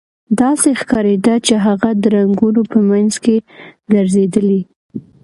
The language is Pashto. داسې ښکاریده چې هغه د رنګونو په مینځ کې ګرځیدلې